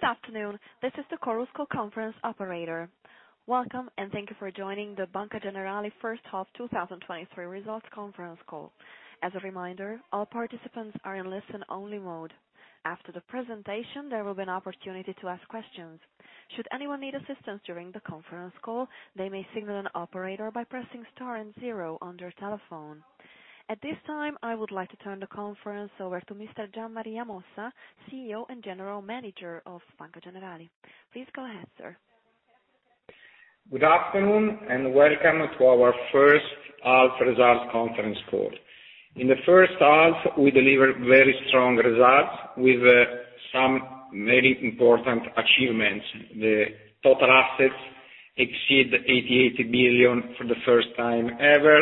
Good afternoon, this is the Chorus Call Conference Operator. Welcome. Thank you for joining the Banca Generali first half 2023 results conference call. As a reminder, all participants are in listen-only mode. After the presentation, there will be an opportunity to ask questions. Should anyone need assistance during the conference call, they may signal an operator by pressing star and zero on their telephone. At this time, I would like to turn the conference over to Mr. Gian Maria Mossa, CEO and General Manager of Banca Generali. Please go ahead, sir. Good afternoon. Welcome to our first half results conference call. In the first half, we delivered very strong results with some very important achievements. The total assets exceed 80 billion for the first time ever.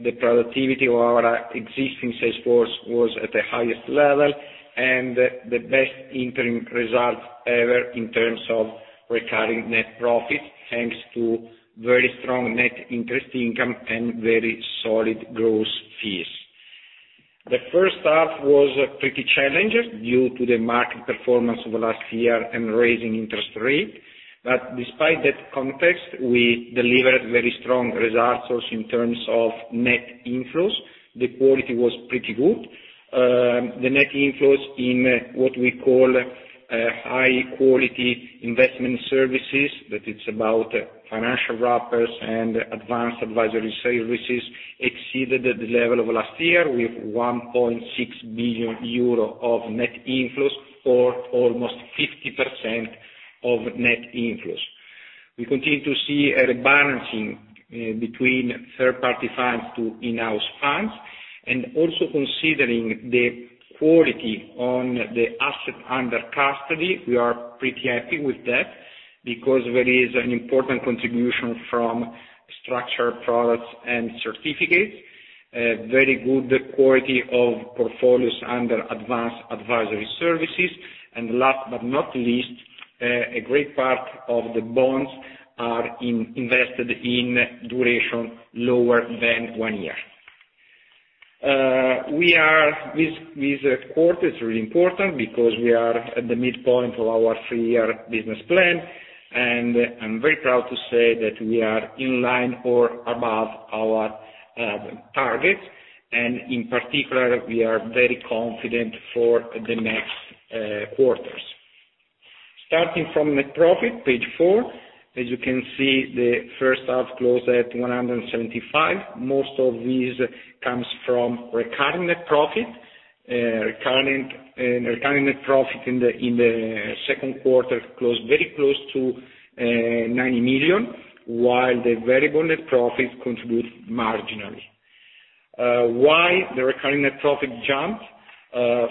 The productivity of our existing sales force was at the highest level, and the best interim result ever in terms of recurring net profit, thanks to very strong net interest income and very solid gross fees. The first half was pretty challenging due to the market performance of the last year and raising interest rate. Despite that context, we delivered very strong results also in terms of net inflows. The quality was pretty good. The net inflows in what we call high-quality investment services, that is about financial wrappers and advanced advisory services, exceeded the level of last year with 1.6 billion euro of net inflows, or almost 50% of net inflows. We continue to see a rebalancing between third-party funds to in-house funds, and also considering the quality on the assets under custody, we are pretty happy with that, because there is an important contribution from structured products and certificates. Very good quality of portfolios under advanced advisory services. Last but not least, a great part of the bonds are invested in duration lower than one year. We are, this quarter is really important because we are at the midpoint of our three-year business plan, and I'm very proud to say that we are in line or above our targets. In particular, we are very confident for the next quarters. Starting from net profit, page 4, as you can see, the first half closed at 175. Most of these comes from recurring net profit. Recurring net profit in the second quarter closed very close to 90 million, while the variable net profit contributes marginally. Why the recurring net profit jumped?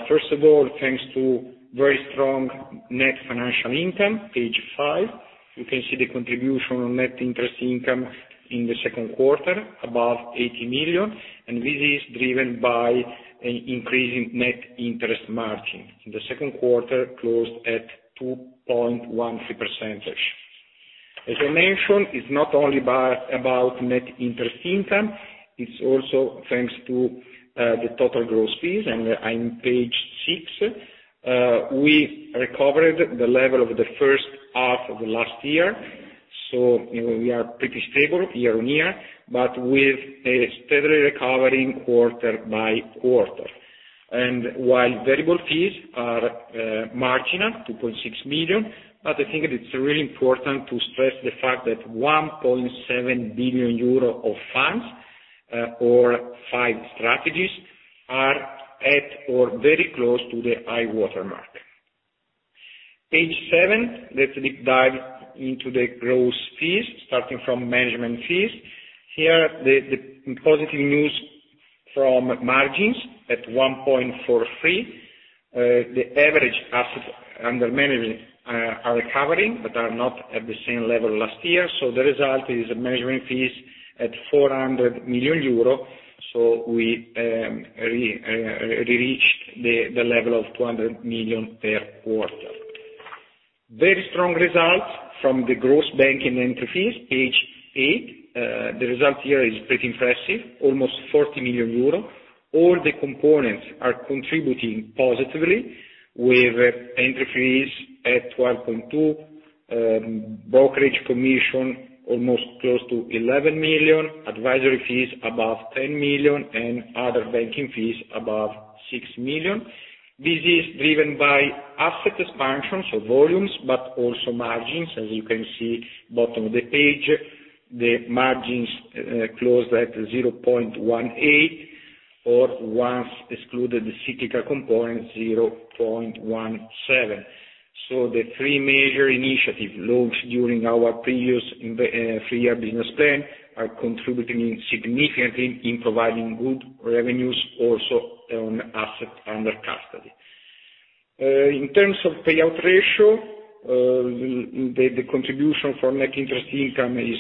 First of all, thanks to very strong net financial income, page 5. You can see the contribution on net interest income in the second quarter, above 80 million. This is driven by an increasing net interest margin. In the second quarter, closed at 2.13%. As I mentioned, it's not only about net interest income, it's also thanks to the total gross fees, in page 6, we recovered the level of the first half of last year, so we are pretty stable year-on-year, but with a steadily recovering quarter-by-quarter. While variable fees are marginal, 2.6 million, but I think it's really important to stress the fact that 1.7 billion euro of funds, or five strategies, are at or very close to the high-water mark. Page 7, let me dive into the gross fees, starting from management fees. Here, the positive news from margins at 1.43. The average assets under management are recovering, but are not at the same level last year, the result is management fees at 400 million euro. We re-reached the level of 200 million per quarter. Very strong results from the gross banking entry fees, page 8. The result here is pretty impressive, almost 40 million euro. All the components are contributing positively, with entry fees at 1.2, brokerage commission almost close to 11 million, advisory fees above 10 million, and other banking fees above 6 million. This is driven by asset expansion, volumes, but also margins. As you can see, bottom of the page, the margins closed at 0.18, or once excluded the cyclical component, 0.17. The three major initiatives launched during our previous three-year business plan are contributing significantly in providing good revenues also on assets under custody. In terms of payout ratio, the contribution for net interest income is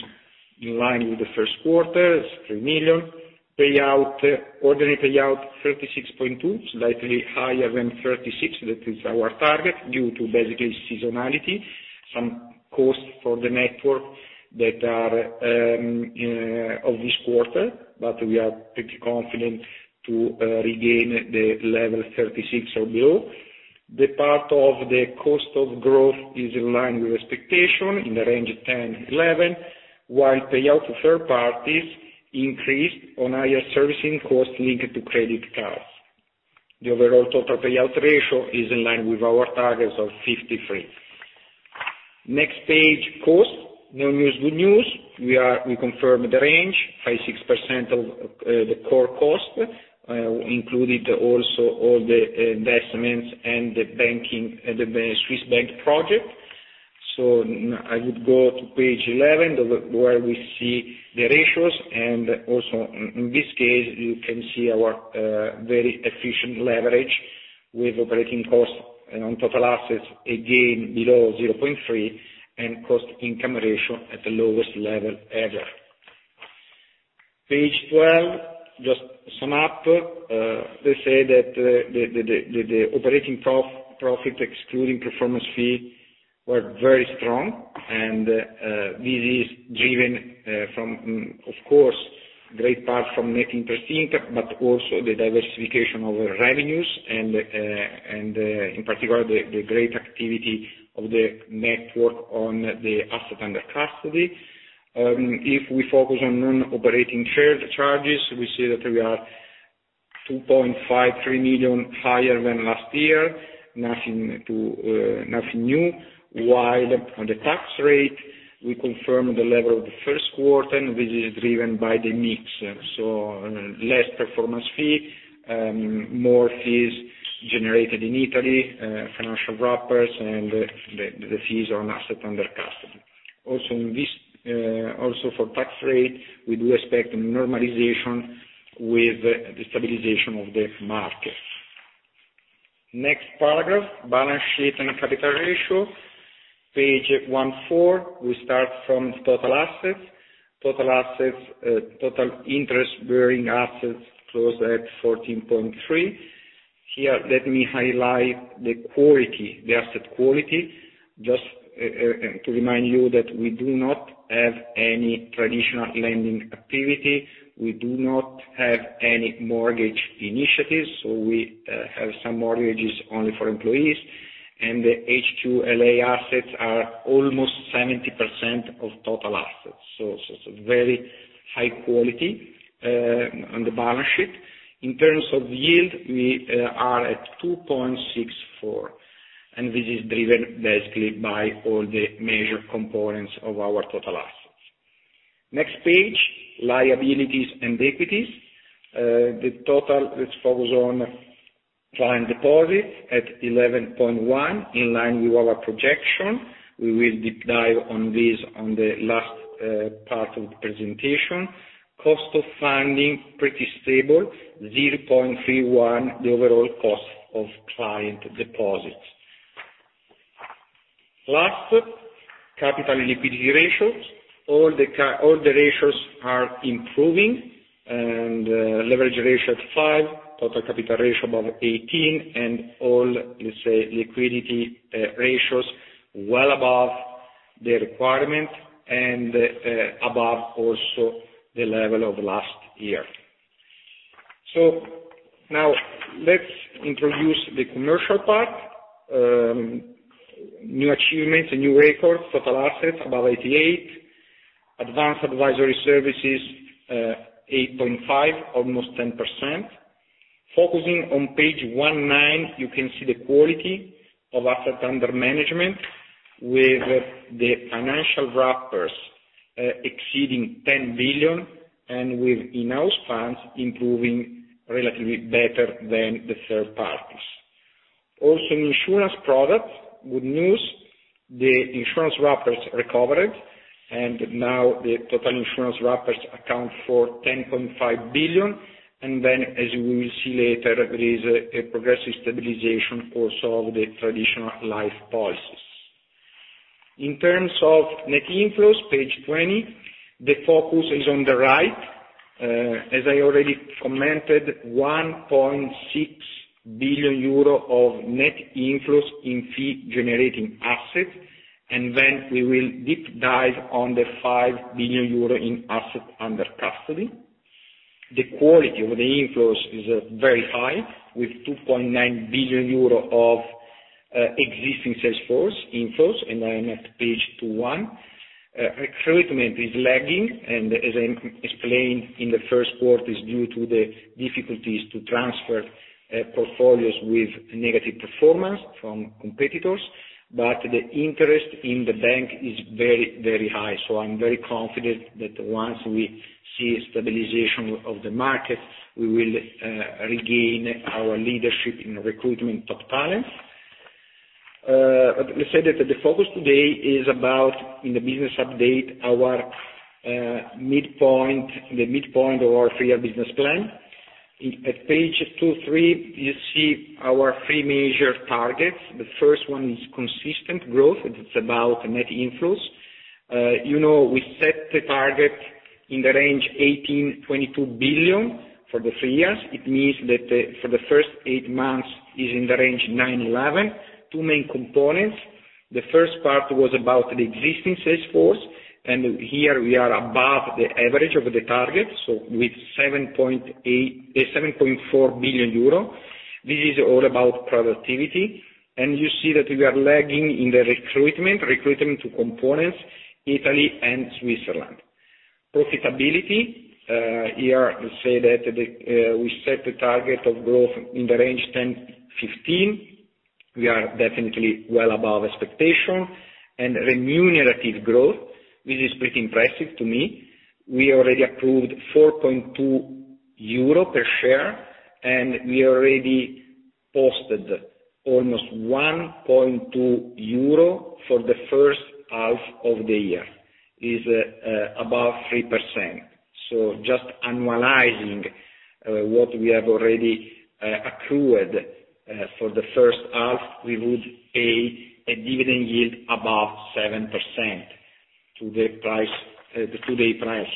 in line with the first quarter, it's 3 million. Payout, ordinary payout, 36.2%, slightly higher than 36%, that is our target, due to basically seasonality. Some costs for the network that are of this quarter, but we are pretty confident to regain the level 36% or below. The part of the cost of growth is in line with expectation, in the range of 10%-11%, while payout to third parties increased on higher servicing costs linked to credit cards. The overall total payout ratio is in line with our targets of 53%. Next page, cost. No news, good news. We are, we confirm the range, 5%-6% of the core cost, included also all the investments and the banking, and the Swiss bank project. I would go to page 11, where we see the ratios, and also in this case, you can see our very efficient leverage with operating costs and on total assets, again, below 0.3, and cost income ratio at the lowest level ever. Page 12, just to sum up, they say that the operating profit, excluding performance fee, were very strong. This is driven from, of course, great part from net interest income, also the diversification of our revenues and in particular, the great activity of the network on the assets under custody. If we focus on non-operating trade charges, we see that we are 2.53 million higher than last year, nothing new, while on the tax rate, we confirm the level of the first quarter. This is driven by the mix, so, less performance fee, more fees generated in Italy, financial wrappers, and the fees on assets under custody. Also, in this, also for tax rate, we do expect normalization with the stabilization of the market. Next paragraph, balance sheet and capital ratio, page 14, we start from total assets. Total assets, total interest-bearing assets closed at 14.3. Here, let me highlight the quality, the asset quality. Just to remind you that we do not have any traditional lending activity. We do not have any mortgage initiatives, we have some mortgages only for employees, and the HQLA assets are almost 70% of total assets, so very high quality on the balance sheet. In terms of yield, we are at 2.64%, and this is driven basically by all the major components of our total assets. Next page, liabilities and equities. The total, let's focus on client deposits at 11.1, in line with our projection. We will deep dive on this on the last part of the presentation. Cost of funding, pretty stable, 0.31%, the overall cost of client deposits. Last, capital and liquidity ratios. All the ratios are improving, and leverage ratio at 5, total capital ratio above 18, and all, let's say, liquidity ratios well above the requirement and above also the level of last year. Now let's introduce the commercial part. New achievements, a new record, total assets above 88 billion, advanced advisory services 8.5, almost 10%. Focusing on page 19, you can see the quality of assets under management with the financial wrappers exceeding 10 billion, and with in-house funds improving relatively better than the third parties. Also, in insurance products, good news, the insurance wrappers recovered, and now the total insurance wrappers account for 10.5 billion. Then, as we will see later, there is a progressive stabilization also of the traditional life policies. In terms of net inflows, page 20, the focus is on the right. As I already commented, 1.6 billion euro of net inflows in fee generating assets, then we will deep dive on the 5 billion euro in assets under custody. The quality of the inflows is very high, with 2.9 billion euro of existing sales force inflows, I am at page 21. Recruitment is lagging, as I explained in the first quarter, is due to the difficulties to transfer portfolios with negative performance from competitors, the interest in the bank is very, very high. I'm very confident that once we see stabilization of the market, we will regain our leadership in recruitment top talent. Let's say that the focus today is about, in the business update, our midpoint, the midpoint of our three-year business plan. At page 23, you see our three major targets. The first one is consistent growth, it's about net inflows. You know, we set the target in the range 18 billion-22 billion for the three years. It means that for the first eight months is in the range 9 billion-11 billion. Two main components, the first part was about the existing sales force. Here we are above the average of the target with 7.4 billion euro. This is all about productivity. You see that we are lagging in the recruitment two components, Italy and Switzerland. Profitability, here, let's say that we set the target of growth in the range 10%-15%. We are definitely well above expectation, and remunerative growth, which is pretty impressive to me. We already approved 4.2 euro per share, and we already posted almost 1.2 euro for the first half of the year, is above 3%. Just annualizing what we have already accrued for the first half, we would pay a dividend yield above 7% to the price, to the price.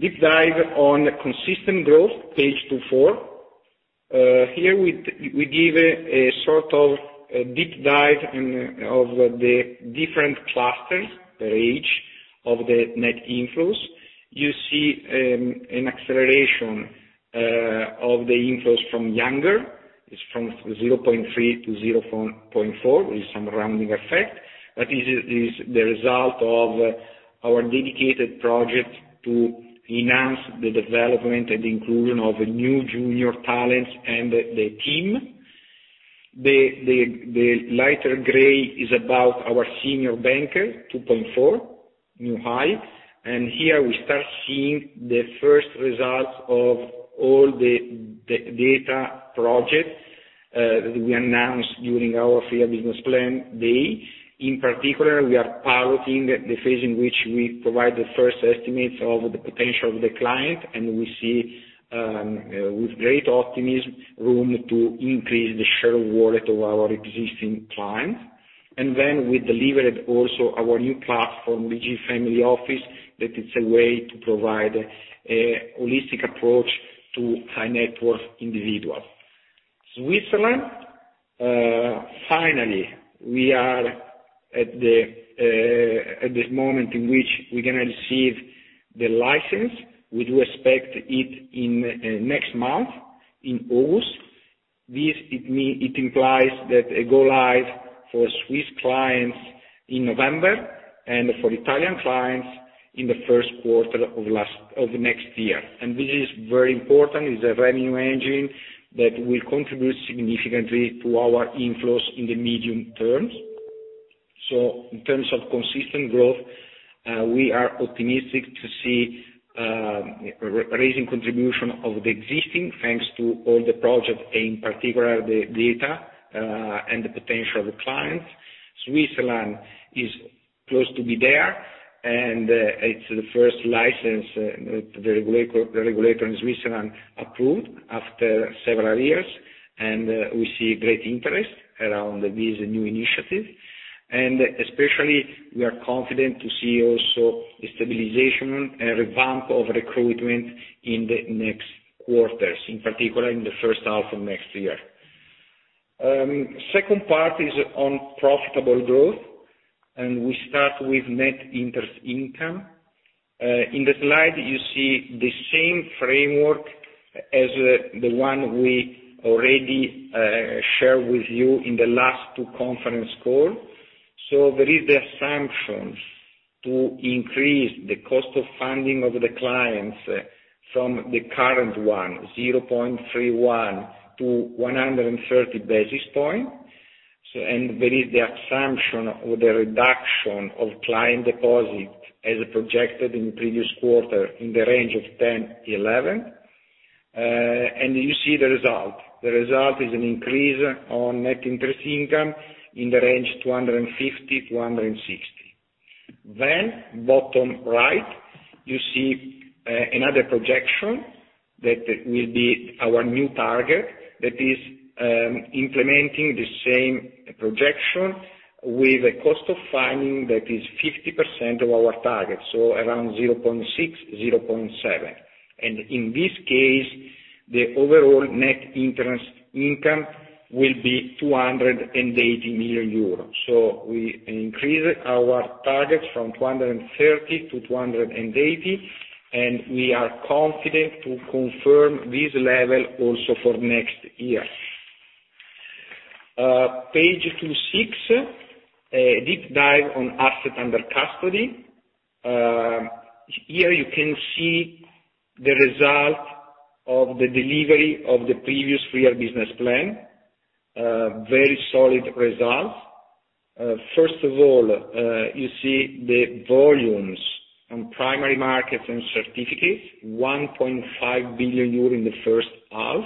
Deep dive on consistent growth, page 24. Here we give a sort of a deep dive in of the different clusters, the age of the net inflows. You see an acceleration of the inflows from younger. It's from 0.3 to 0.4, with some rounding effect. Is the result of our dedicated project to enhance the development and inclusion of new junior talents and the team. The lighter gray is about our senior banker, 2.4, new high. Here we start seeing the first results of all the data projects that we announced during our three-year business plan day. In particular, we are piloting the phase in which we provide the first estimates of the potential of the client, and we see with great optimism, room to increase the share of wallet of our existing clients. We delivered also our new platform, the BG Family Office, that is a way to provide a holistic approach to high net worth individuals. Switzerland, finally, we are at this moment in which we're going to receive the license. We do expect it in next month, in August. This implies that a go live for Swiss clients in November, and for Italian clients in the first quarter of next year. This is very important. It's a revenue engine that will contribute significantly to our inflows in the medium terms. In terms of consistent growth, we are optimistic to see re-raising contribution of the existing, thanks to all the projects, in particular, the data and the potential of the clients. Switzerland is close to be there, and it's the first license, the regulator in Switzerland approved after several years, and we see great interest around this new initiative. Especially, we are confident to see also a stabilization, a revamp of recruitment in the next quarters, in particular, in the first half of next year. Second part is on profitable growth, and we start with net interest income. In the slide, you see the same framework as the one we already shared with you in the last two conference call. There is the assumptions to increase the cost of funding of the clients from the current 0.31 to 130 basis points. There is the assumption or the reduction of client deposit as projected in the previous quarter, in the range of 10 billion-11 billion. You see the result. The result is an increase on net interest income in the range 250 million-260 million. Bottom right, you see another projection that will be our new target, that is, implementing the same projection with a cost of funding that is 50% of our target, so around 0.6%-0.7%. In this case, the overall net interest income will be 280 million euros. We increased our targets from 230 million-280 million, and we are confident to confirm this level also for next year. Page 26, a deep dive on assets under custody. Here you can see the result of the delivery of the previous three-year business plan. Very solid result. First of all, you see the volumes on primary markets and certificates, 1.5 billion euros in the first half,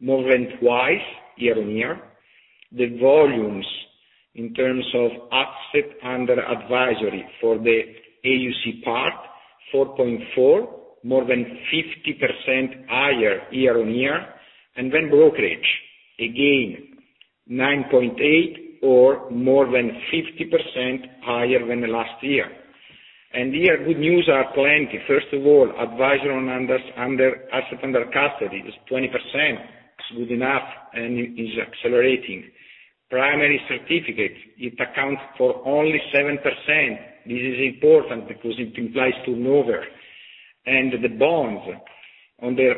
more than twice year-on-year. The volumes in terms of assets under advisory for the AUC part, 4.4, more than 50% higher year-on-year. Brokerage, again! 9.8 or more than 50% higher than the last year. Here, good news are plenty. First of all, advisory on assets under custody is 20%. It's good enough, and it is accelerating. Primary certificate, it accounts for only 7%. This is important because it implies to nowhere. The bonds, on the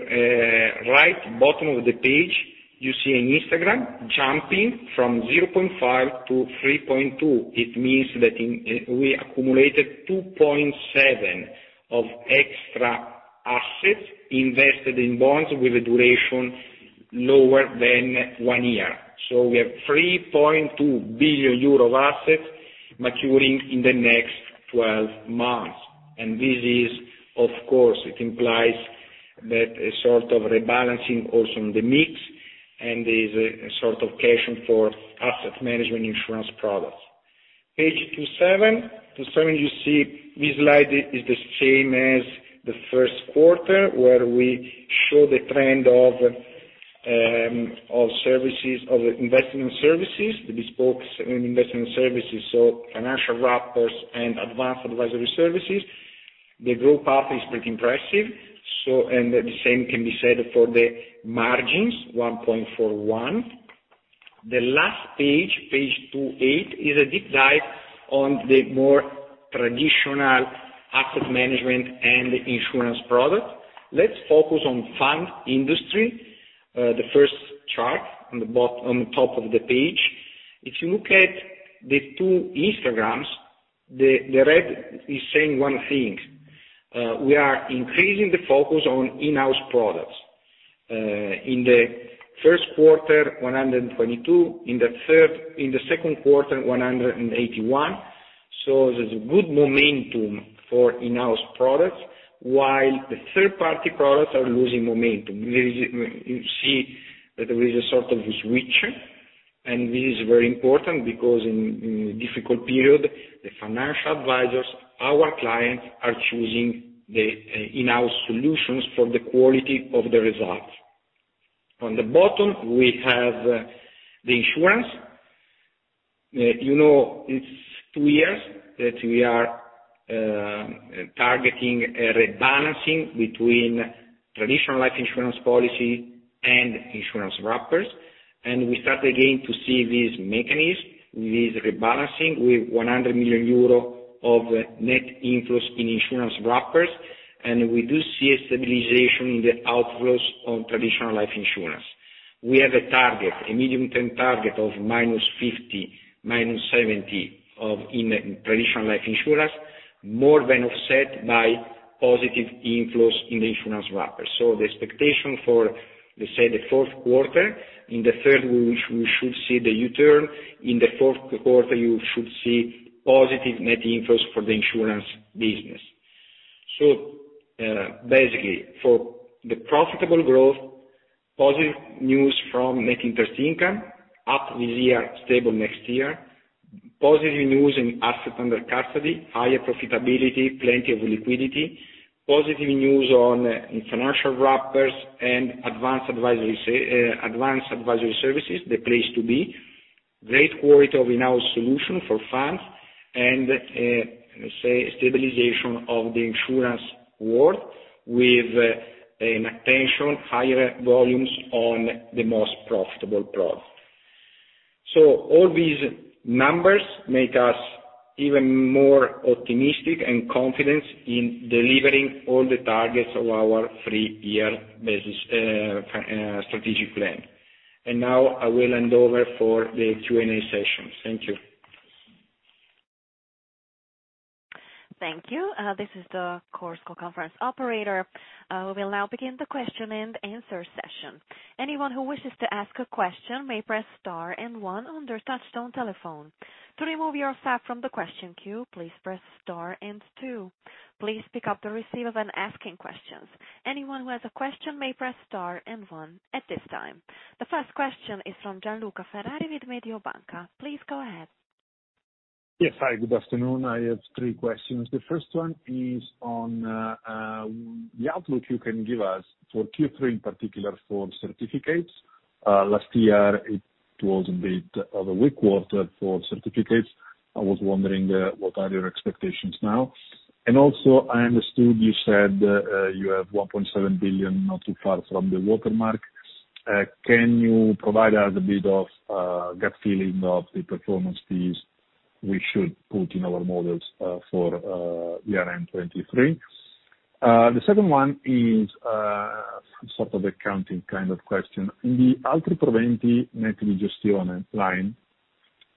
right bottom of the page, you see a histogram jumping from 0.5 to 3.2. It means that we accumulated 2.7 of extra assets invested in bonds with a duration lower than one year. We have 3.2 billion euro of assets maturing in the next 12 months. This is, of course, it implies that a sort of rebalancing also in the mix, and there's a sort of caution for asset management insurance products. Page 27. 27, you see this slide is the same as the first quarter, where we show the trend of services, of investment services, the bespoke investment services, so financial wrappers and advanced advisory services. The growth path is pretty impressive. The same can be said for the margins, 1.41. The last page, page 28, is a deep dive on the more traditional asset management and insurance product. Let's focus on fund industry. The first chart on the top of the page. If you look at the two histograms, the red is saying one thing. We are increasing the focus on in-house products. In the first quarter, 122, in the second quarter, 181. There's a good momentum for in-house products, while the third-party products are losing momentum. There is, you see that there is a sort of switch, and this is very important because in difficult period, the financial advisors, our clients, are choosing the in-house solutions for the quality of the results. On the bottom, we have the insurance. You know, it's two years that we are targeting a rebalancing between traditional life insurance policy and insurance wrappers. We start again to see this mechanism, this rebalancing, with 100 million euro of net inflows in insurance wrappers. We do see a stabilization in the outflows of traditional life insurance. We have a target, a medium-term target of -50, -70, of in traditional life insurance, more than offset by positive inflows in the insurance wrapper. The expectation for the fourth quarter, in the third, we should see the U-turn. In the fourth quarter, you should see positive net inflows for the insurance business. Basically, for the profitable growth, positive news from net interest income, up this year, stable next year. Positive news in assets under custody, higher profitability, plenty of liquidity. Positive news on financial wrappers and advanced advisory services, the place to be. Great quality of in-house solution for funds and say, stabilization of the insurance world with an attention, higher volumes on the most profitable product. All these numbers make us even more optimistic and confident in delivering all the targets of our three-year business strategic plan. Now I will hand over for the Q&A session. Thank you. Thank you. This is the Chorus Call conference operator. We will now begin the question and answer session. Anyone who wishes to ask a question may press star and one on their touchtone telephone. To remove yourself from the question queue, please press star and two. Please pick up the receiver when asking questions. Anyone who has a question may press star and one at this time. The first question is from Gianluca Ferrari with Mediobanca. Please go ahead. Yes. Hi, good afternoon. I have three questions. The first one is on the outlook you can give us for Q3, in particular for certificates. Last year, it was a bit of a weak quarter for certificates. I was wondering what are your expectations now? I understood you said you have 1.7 billion, not too far from the high-water mark. Can you provide us a bit of gut feeling of the performance fees we should put in our models for year end 2023? The second one is sort of accounting kind of question. In the Altri Proventi net adjustment line,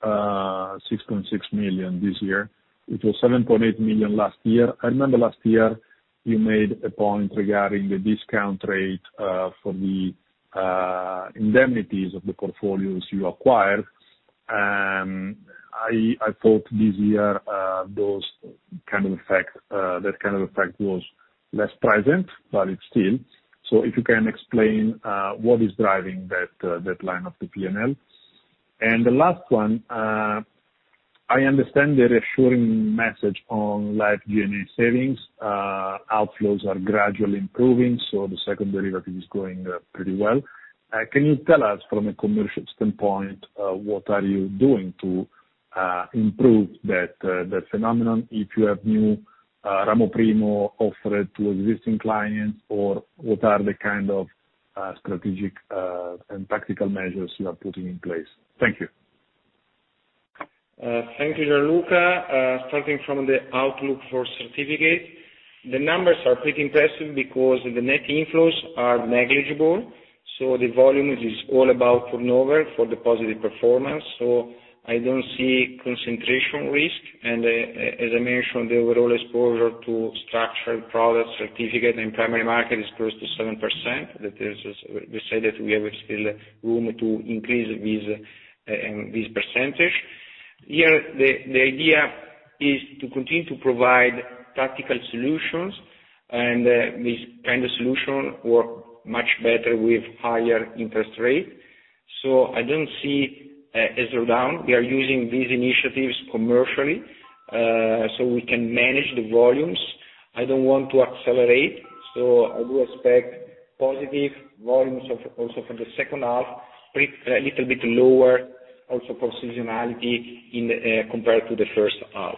6.6 million this year, it was 7.8 million last year. I remember last year, you made a point regarding the discount rate for the indemnities of the portfolios you acquired. I thought this year, those kind of effect, that kind of effect was less present, but it's still. If you can explain what is driving that line of the P&L? The last one, I understand the reassuring message on Life G&A savings. Outflows are gradually improving, the secondary market is going pretty well. Can you tell us from a commercial standpoint, what are you doing to improve that phenomenon, if you have new Ramo I offered to existing clients, or what are the kind of strategic and practical measures you are putting in place? Thank you. Thank you, Gianluca. Starting from the outlook for certificate, the numbers are pretty impressive because the net inflows are negligible, so the volume is all about turnover for the positive performance. I don't see concentration risk, and as I mentioned, the overall exposure to structured products, certificate and primary market is close to 7%. That is, as we said, that we have still room to increase this percentage. Here, the idea is to continue to provide practical solutions, and this kind of solution work much better with higher interest rate. I don't see as down. We are using these initiatives commercially, so we can manage the volumes. I don't want to accelerate, so I do expect positive volumes of, also from the second half, a little bit lower, also for seasonality in, compared to the first half.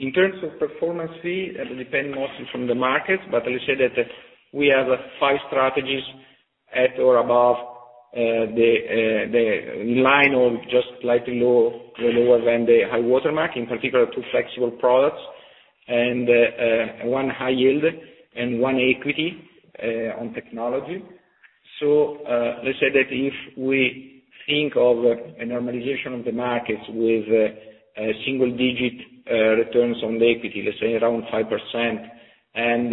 In terms of performance fee, it will depend mostly from the market, but let's say that we have five strategies at or above the line or just slightly lower than the high-water mark, in particular, two flexible products and one high yield and one equity on technology. let's say that if we think of a normalization of the markets with a single-digit returns on the equity, let's say around 5%, and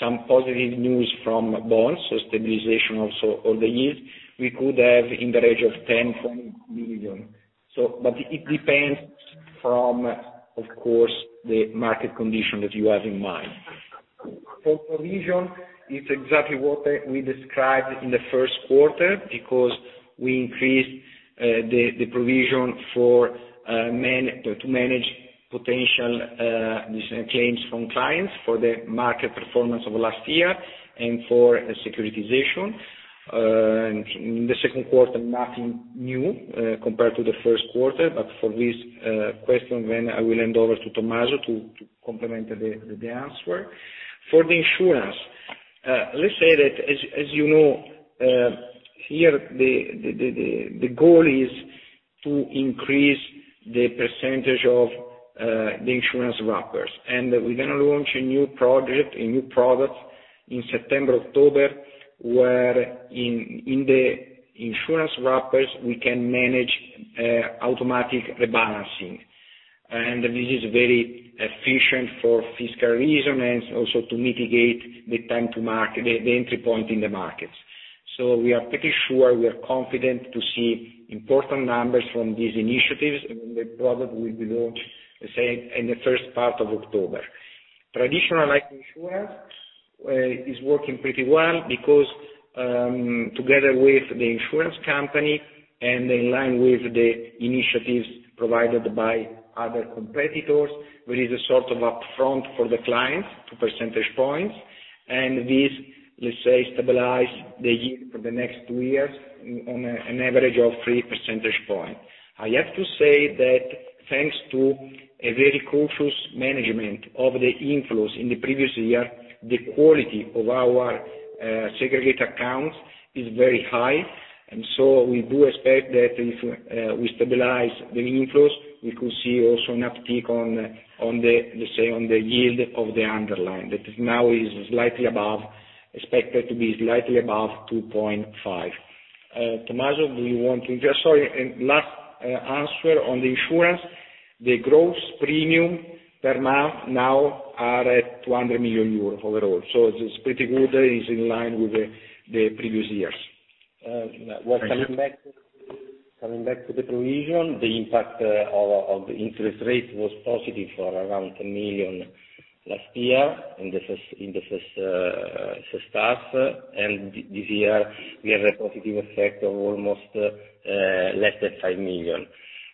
some positive news from bonds, so stabilization also of the yield, we could have in the range of 10 million-20 million. It depends from, of course, the market condition that you have in mind. For provision, it's exactly what we described in the first quarter, because we increased the provision for to manage potential claims from clients for the market performance of last year and for securitization. In the second quarter, nothing new compared to the first quarter, for this question, I will hand over to Tommaso to complement the answer. For the insurance, let's say that as you know, here, the goal is to increase the percentage of the insurance wrappers. We're going to launch a new project, a new product, in September, October, where in the insurance wrappers, we can manage automatic rebalancing. This is very efficient for fiscal reason and also to mitigate the time to market, the entry point in the markets. We are pretty sure, we are confident to see important numbers from these initiatives, and the product will be launched, let's say, in the first part of October. Traditional life insurance is working pretty well because, together with the insurance company and in line with the initiatives provided by other competitors, there is a sort of upfront for the clients, two percentage points. This, let's say, stabilize the yield for the next two years on an average of three percentage points. I have to say that thanks to a very cautious management of the inflows in the previous year, the quality of our segregated accounts is very high. We do expect that if we stabilize the inflows, we could see also an uptick on the, let's say, on the yield of the underlying. That is now slightly above, expected to be slightly above 2.5. Tommaso, do you want to? Sorry, last answer on the insurance, the gross premium per month now are at 200 million euros overall. It's pretty good, it's in line with the previous years. Thank you. Coming back to the provision, the impact of the interest rate was positive for around 10 million last year, in the first half. This year, we have a positive effect of almost less than 5 million.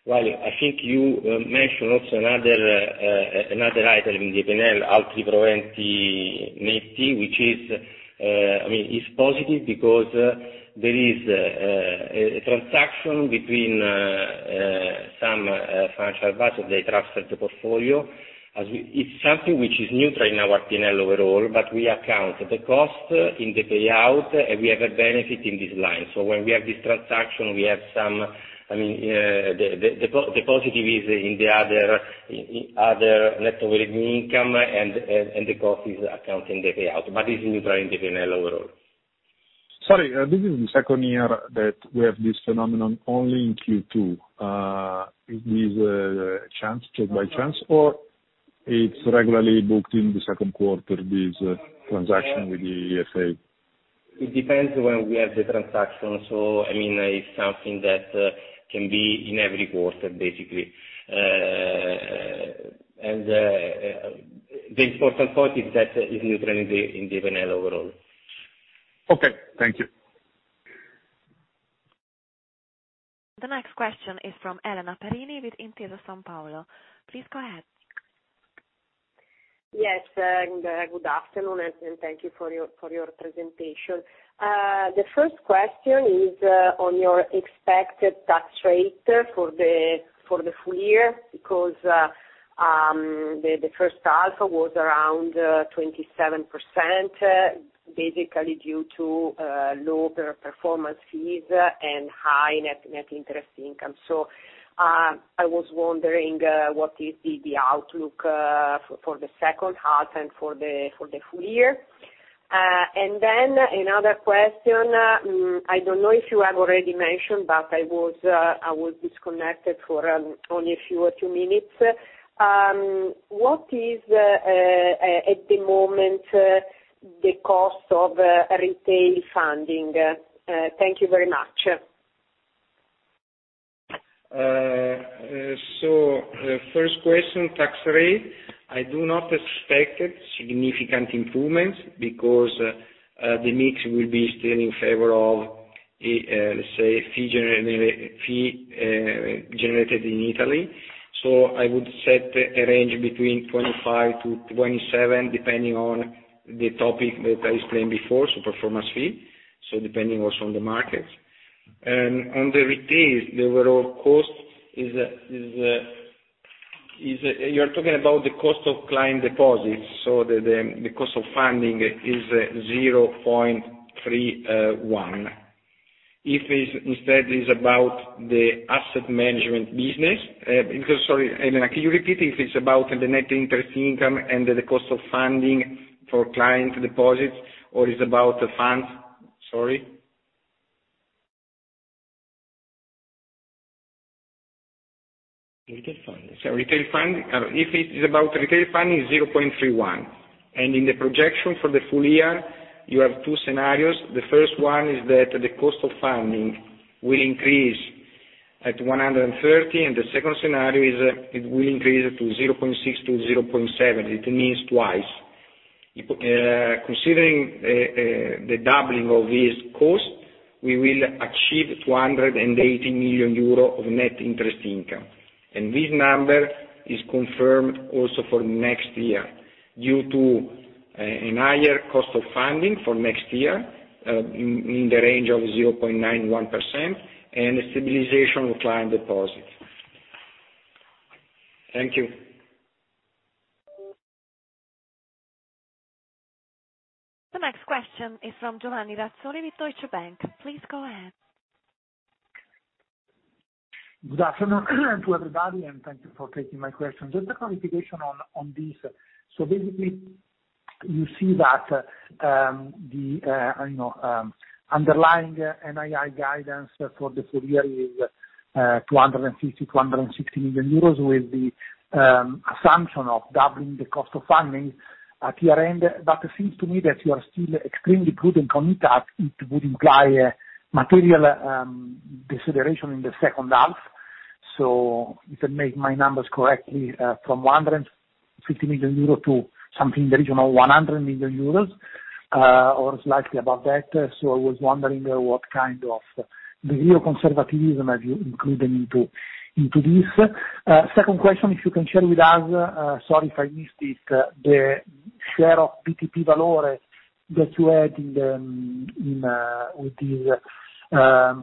I think you mentioned also another item in the PNL, Proventi Netti, which is, I mean, it's positive because there is a transaction between some financial advisor, they transferred the portfolio. It's something which is neutral in our PNL overall, but we account the cost in the payout, we have a benefit in this line. When we have this transaction, we have some, I mean, the positive is in the other net income and the cost is accounting the payout, but it's neutral in the P&L overall. Sorry, this is the second year that we have this phenomenon only in Q2. It is a chance, just by chance, or it's regularly booked in the second quarter, this transaction with the ESA? It depends when we have the transaction. I mean, it's something that can be in every quarter, basically.... The important point is that it is neutral in the, in the overall. Okay, thank you. The next question is from Elena Perini with Intesa Sanpaolo. Please go ahead. Yes, good afternoon, and thank you for your presentation. The first question is on your expected tax rate for the full year, because the first half was around 27%, basically due to lower performance fees and high net interest income. I was wondering what is the outlook for the second half and for the full year? Another question, I don't know if you have already mentioned, but I was disconnected for only a few or two minutes. What is at the moment the cost of retail funding? Thank you very much. The first question, tax rate. I do not expect significant improvements because the mix will be still in favor of, let's say, fee generated in Italy. I would set a range between 25%-27%, depending on the topic that I explained before, so performance fee, so depending also on the market. On the retail, the overall cost is... You're talking about the cost of client deposits, so the cost of funding is 0.31%. If it's, instead is about the asset management business, because sorry, Elena, can you repeat if it's about the net interest income and the cost of funding for client deposits, or it's about the funds? Sorry. Retail funding. Retail funding. If it is about retail funding, it's 0.31. In the projection for the full year, you have two scenarios. The first one is that the cost of funding will increase at 130, and the second scenario is, it will increase to 0.6%-0.7%. It means twice. Considering the doubling of this cost, we will achieve 280 million euro of net interest income. This number is confirmed also for next year, due to a higher cost of funding for next year, in the range of 0.9%-1%, and a stabilization of client deposits. Thank you. The next question is from Giovanni Razzoli with Deutsche Bank. Please go ahead. Good afternoon to everybody. Thank you for taking my question. Just a clarification on this. Basically, you see that, you know, underlying NII guidance for the full year is 250 million-160 million euros, with the assumption of doubling the cost of funding at year-end. It seems to me that you are still extremely good and committed, it would imply a material deceleration in the second half. If I make my numbers correctly, from 150 million euros to something in the region of 100 million euros, or slightly above that. I was wondering what kind of the new conservatism have you included into this? Second question, if you can share with us, sorry if I missed it, the share of BTP Valore that you had in the, in, with this,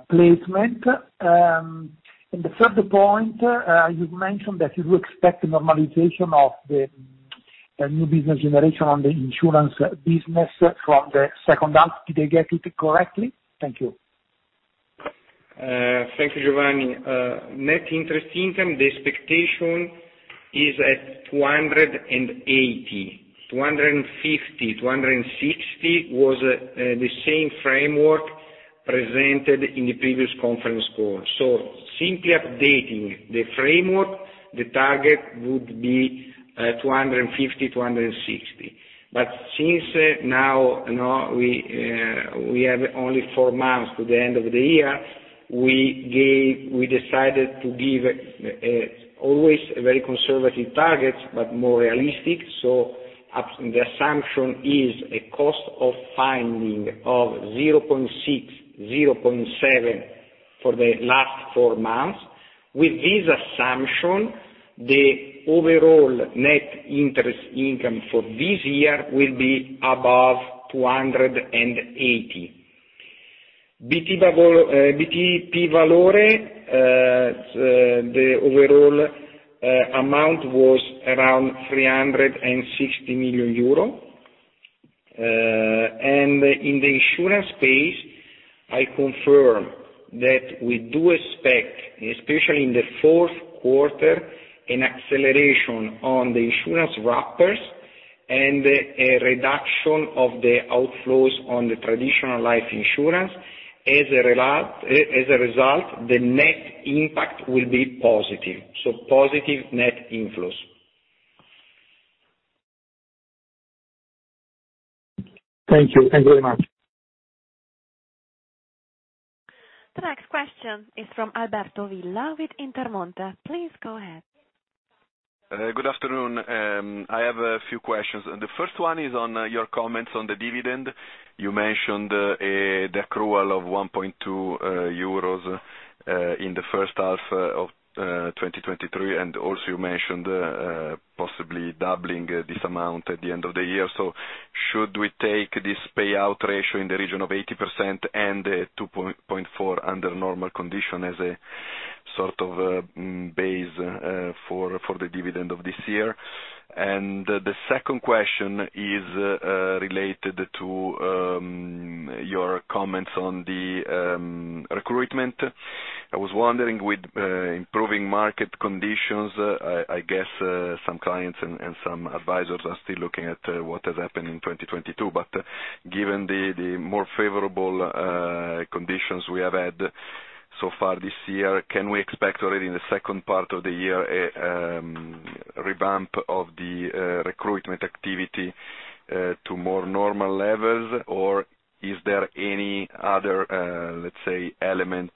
placement. The third point, you mentioned that you expect the normalization of the new business generation on the insurance business from the second half. Did I get it correctly? Thank you. Thank you, Giovanni. Net interest income, the expectation is at 280 million. 250 million-260 million was the same framework presented in the previous conference call. Simply updating the framework, the target would be 250 million-260 million. Since now, you know, we have only four months to the end of the year, we gave, we decided to give always a very conservative target, but more realistic. The assumption is a cost of funding of 0.6%-0.7% for the last four months. With this assumption, the overall net interest income for this year will be above 280 million. BTP Valore, BTP Valore, the overall amount was around 360 million euro. In the insurance space, I confirm that we do expect, especially in the fourth quarter, an acceleration on the insurance wrappers and a reduction of the outflows on the traditional life insurance. As a result, the net impact will be positive, so positive net inflows. Thank you. Thank you very much. The next question is from Alberto Villa with Intermonte. Please go ahead. Good afternoon. I have a few questions. The first one is on your comments on the dividend. You mentioned the accrual of 1.2 euros in the first half of 2023, and also you mentioned possibly doubling this amount at the end of the year. Should we take this payout ratio in the region of 80% and 2.4 under normal condition as a sort of base for the dividend of this year? The second question is related to your comments on the recruitment. I was wondering, with improving market conditions, I guess some clients and some advisors are still looking at what has happened in 2022. Given the more favorable conditions we have had so far this year, can we expect already in the second part of the year, a revamp of the recruitment activity to more normal levels? Or is there any other, let's say, element,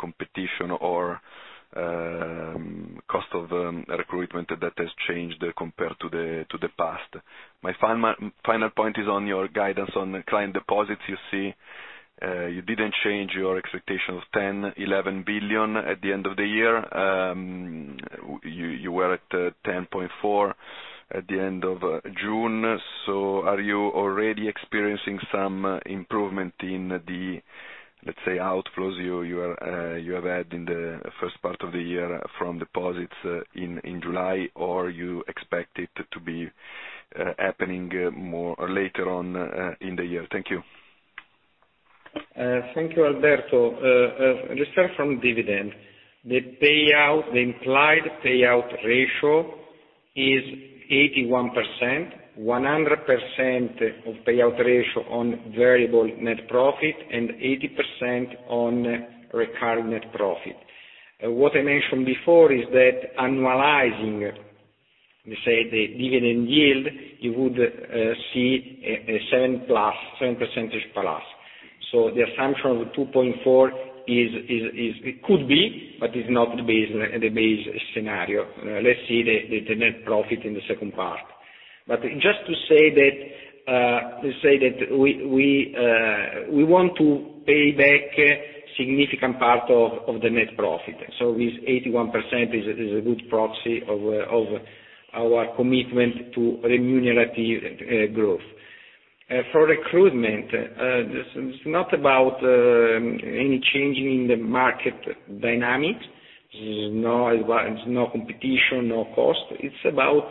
competition or cost of recruitment that has changed compared to the past? My final point is on your guidance on the client deposits. You see, you didn't change your expectation of 10 billion-11 billion at the end of the year. You were at 10.4 at the end of June. Are you already experiencing some improvement in the, let's say, outflows you have had in the first part of the year from deposits in July, or you expect it to be happening more later on in the year? Thank you. Thank you, Alberto. Let's start from dividend. The payout, the implied payout ratio is 81%, 100% of payout ratio on variable net profit and 80% on recurring net profit. What I mentioned before is that annualizing, let's say, the dividend yield, you would see a 7 plus, 7% plus. The assumption of 2.4 is, it could be, but it's not the base scenario. Let's see the net profit in the second part. Just to say that we want to pay back a significant part of the net profit. This 81% is a good proxy of our commitment to remunerative growth. For recruitment, this is not about any changing in the market dynamics. There's no competition, no cost. It's about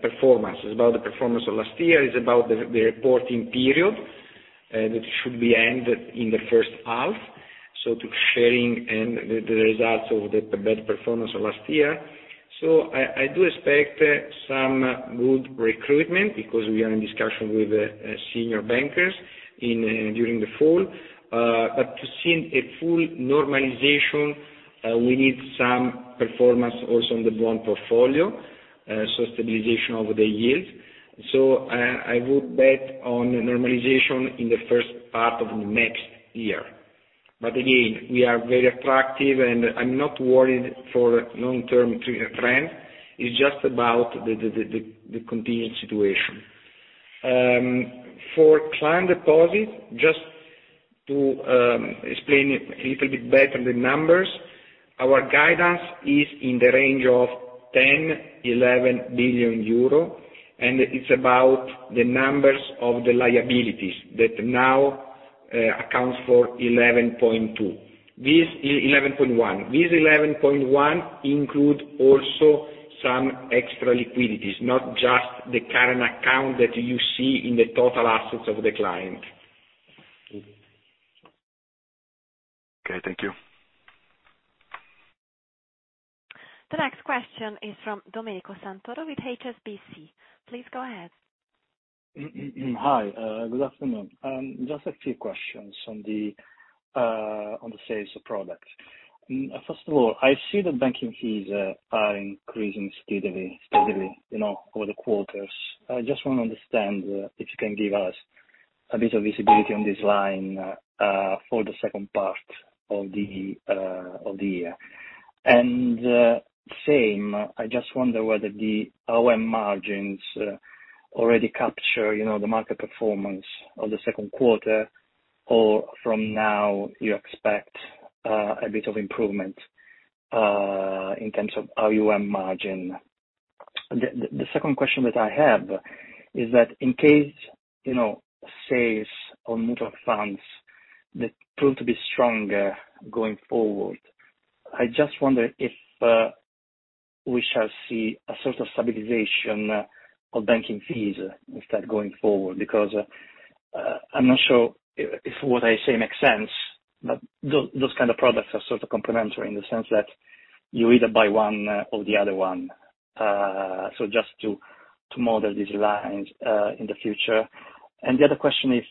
performance. It's about the performance of last year, it's about the reporting period that should be end in the first half, so to sharing and the results of the bad performance of last year. I do expect some good recruitment because we are in discussion with senior bankers in during the fall. to see a full normalization, we need some performance also on the bond portfolio, so stabilization over the years. I would bet on normalization in the first part of next year. Again, we are very attractive, and I'm not worried for long-term trend. It's just about the continued situation. For client deposit, just to explain a little bit better the numbers, our guidance is in the range of 10 billion-11 billion euro. It's about the numbers of the liabilities that now accounts for 11.2. This is 11.1. This 11.1 include also some extra liquidities, not just the current account that you see in the total assets of the client. Okay, thank you. The next question is from Domenico Santoro with HSBC. Please go ahead. Hi, good afternoon. Just a few questions on the sales product. First of all, I see the banking fees are increasing steadily, you know, over the quarters. I just want to understand if you can give us a bit of visibility on this line for the second part of the year. Same, I just wonder whether the Operating Margin already capture, you know, the market performance of the second quarter, or from now, you expect a bit of improvement in terms of AuM margin? The second question that I have is that in case, you know, sales on mutual funds that prove to be stronger going forward, I just wonder if we shall see a sort of stabilization of banking fees instead going forward, because I'm not sure if what I say makes sense, but those kind of products are sort of complementary in the sense that you either buy one or the other one. Just to model these lines in the future. The other question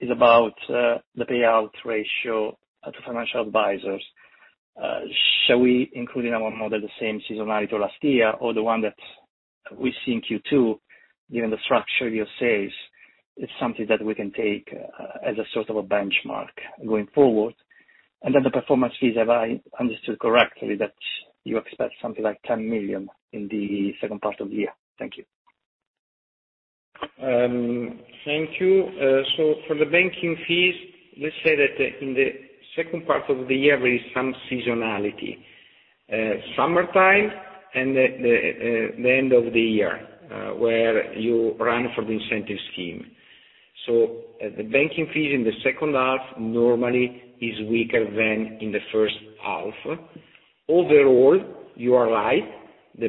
is about the payout ratio to financial advisors. Shall we include in our model the same seasonality to last year, or the one that we see in Q2, given the structure of your sales, is something that we can take as a sort of a benchmark going forward? The performance fees, have I understood correctly that you expect something like 10 million in the second part of the year? Thank you. Thank you. For the banking fees, let's say that in the second part of the year, there is some seasonality. Summertime and the end of the year, where you run for the incentive scheme. The banking fees in the second half normally is weaker than in the first half. Overall, you are right, the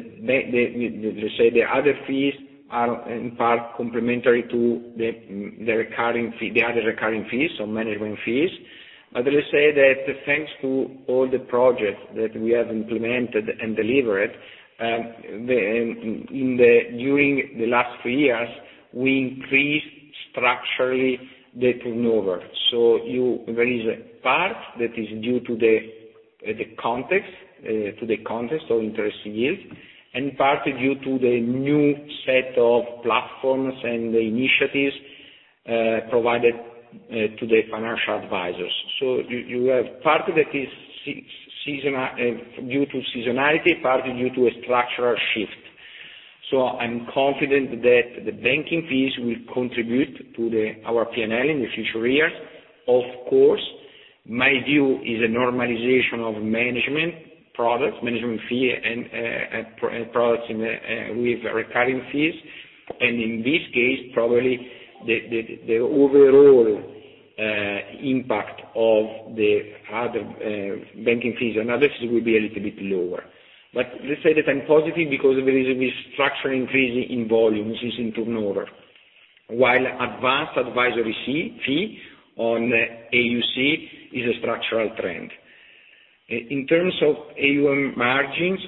other fees are in part complementary to the recurring fee, the other recurring fees, so management fees. Let's say that thanks to all the projects that we have implemented and delivered, during the last three years, we increased structurally the turnover. You, there is a part that is due to the context, to the context of interest yield, and part is due to the new set of platforms and the initiatives provided to the financial advisors. You, you have part of it is seasonal due to seasonality, part is due to a structural shift. I'm confident that the banking fees will contribute to the, our PNL in the future years. Of course, my view is a normalization of management products, management fee and products in with recurring fees. In this case, probably the overall impact of the other banking fees and others will be a little bit lower. Let's say that I'm positive because there is a structural increase in volumes, is in turnover, while advanced advisory fee, fee on AUC is a structural trend. In terms of AuM margins,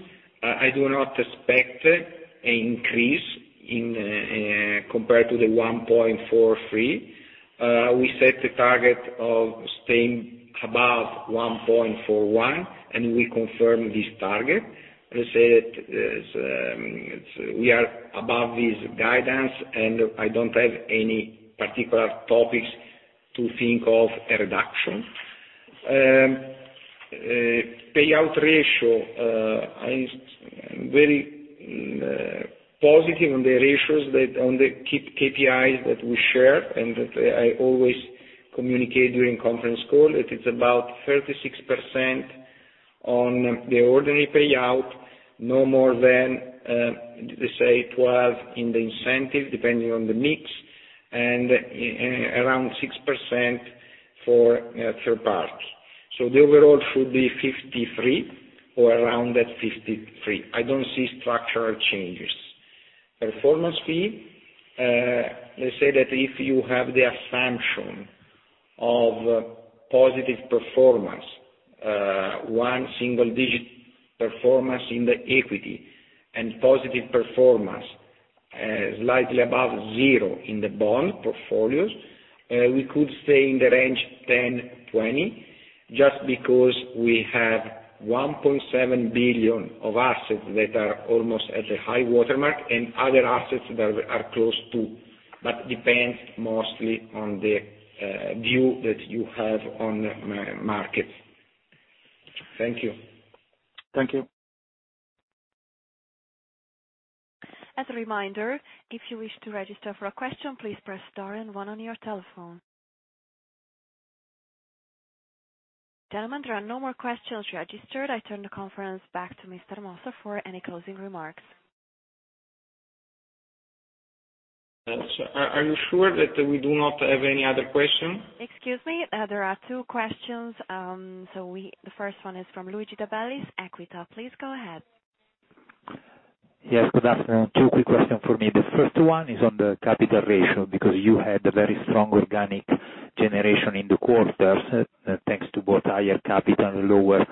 I do not expect an increase compared to the 1.43. We set a target of staying above 1.41, and we confirm this target. Let's say that we are above this guidance, and I don't have any particular topics to think of a reduction. Payout ratio, I'm very positive on the ratios that, on the KPIs that we share, and that I always communicate during conference call, that it's about 36% on the ordinary payout, no more than, let's say, 12 in the incentive, depending on the mix, and, around 6% for third parties. The overall should be 53, or around that 53. I don't see structural changes. Performance fee, let's say that if you have the assumption of positive performance, one single-digit performance in the equity, and positive performance, slightly above zero in the bond portfolios, we could stay in the range 10%-20%, just because we have 1.7 billion of assets that are almost at a high-water mark, and other assets that are close, too. Depends mostly on the view that you have on the markets. Thank you. Thank you. As a reminder, if you wish to register for a question, please press star and one on your telephone. Gentlemen, there are no more questions registered. I turn the conference back to Mr. Mossa for any closing remarks. Are you sure that we do not have any other questions? Excuse me, there are two questions. The first one is from Luigi De Bellis, Equita. Please go ahead. Yes, good afternoon. Two quick questions for me. The first one is on the capital ratio, because you had a very strong organic generation in the quarters, thanks to both higher capital and lower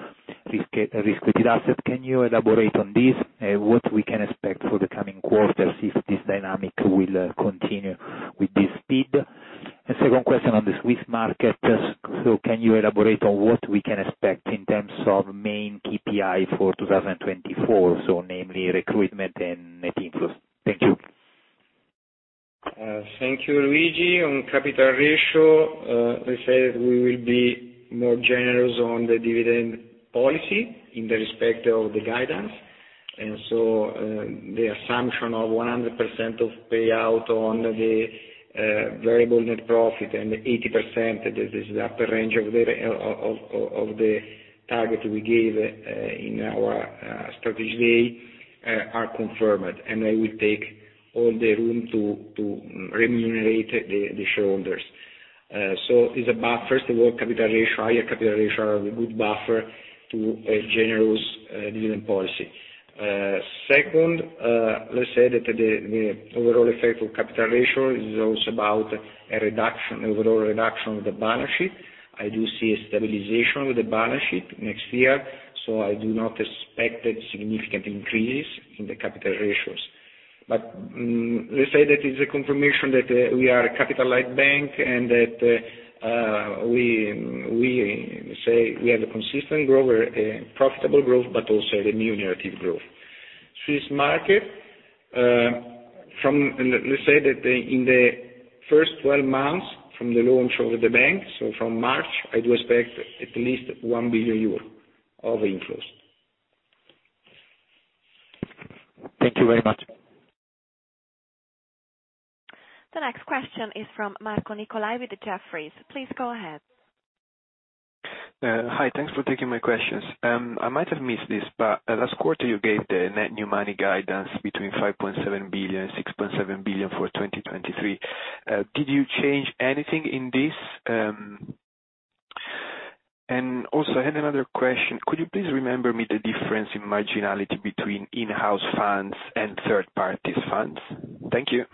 risk-weighted asset. Can you elaborate on this? What we can expect for the coming quarters if this dynamic will continue with this speed? The second question on the Swiss market. Can you elaborate on what we can expect in terms of main KPI for 2024, namely recruitment and net inflows? Thank you. Thank you, Luigi. On capital ratio, let's say that we will be more generous on the dividend policy in the respect of the guidance. The assumption of 100% of payout on the variable net profit and 80%, that is the upper range of the target we gave in our strategy, are confirmed, and I will take all the room to remunerate the shareholders. It's about, first of all, capital ratio, higher capital ratio, a good buffer to a generous dividend policy. Second, let's say that the overall effect of capital ratio is also about a reduction, overall reduction of the balance sheet. I do see a stabilization with the balance sheet next year, so I do not expect significant increases in the capital ratios.... Let's say that is a confirmation that we are a capitalized bank, and that we say we have a consistent growth, a profitable growth, but also the new narrative growth. Swiss market, from, let's say that in the first 12 months from the launch of the bank, so from March, I do expect at least 1 billion euro of inflows. Thank you very much. The next question is from Marco Nicolai with Jefferies. Please go ahead. Hi, thanks for taking my questions. I might have missed this, but last quarter you gave the net new money guidance between 5.7 billion-6.7 billion for 2023. Did you change anything in this? I had another question: could you please remember me the difference in marginality between in-house funds and third party funds? Thank you.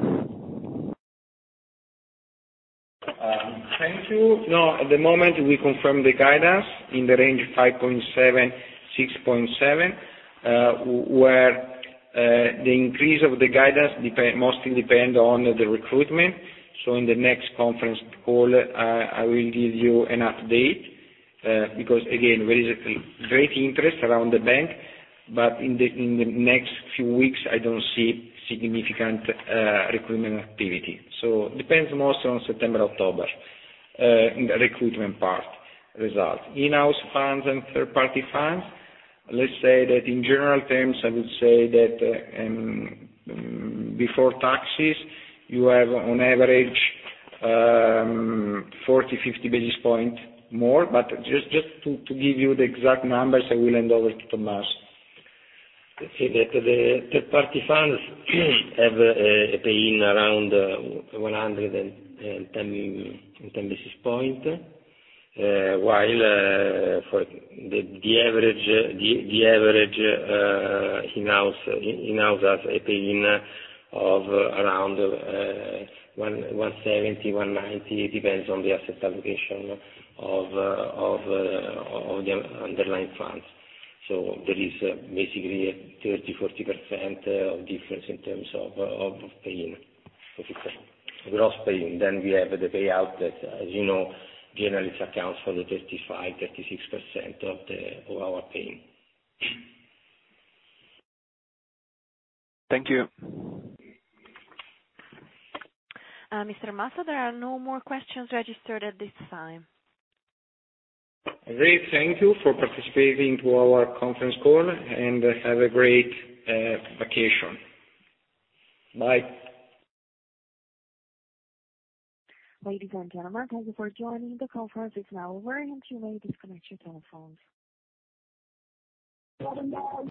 Thank you. At the moment, we confirm the guidance in the range of 5.7 billion-6.7 billion, where the increase of the guidance mostly depend on the recruitment. In the next conference call, I will give you an update because, again, there is a great interest around the bank, but in the next few weeks, I don't see significant recruitment activity. Depends more on September, October, in the recruitment part result. In-house funds and third-party funds, let's say that in general terms, I would say that before taxes, you have on average 40-50 basis points more, but just to give you the exact numbers, I will hand over to Tommaso. Let's say that the third party funds have a pay-in around 110 basis points. While for the average in-house has a pay-in of around 170, 190, it depends on the asset allocation of the underlying funds. There is basically a 30%-40% of difference in terms of pay-in, gross pay-in. We have the payout that, as you know, generally it accounts for the 35%-36% of our pay-in. Thank you. Mr. Mossa, there are no more questions registered at this time. Great, thank you for participating to our conference call, and have a great vacation. Bye. Ladies and gentlemen, thank you for joining. The conference is now over, and you may disconnect your telephones.